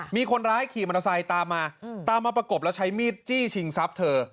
มีคนร้ายขี่มอเตอร์ไซค์ตามมาตามมาประกบแล้วใช้มีดจี้ชิงทรัพย์เธอ